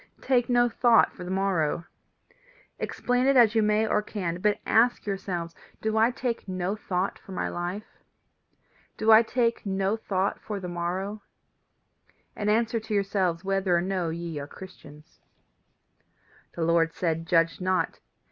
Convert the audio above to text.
Take no thought for the morrow. Explain it as you may or can but ask yourselves Do I take no thought for my life? Do I take no thought for the morrow? and answer to yourselves whether or no ye are Christians. "The Lord says: Judge not.